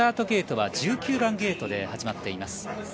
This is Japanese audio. ゲートは１９番ゲートで始まっています。